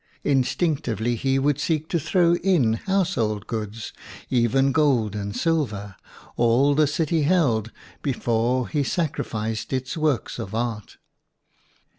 Instinc tively he would seek to throw in house hold goods, even gold and silver, all the city held, before he sacrificed its works of art!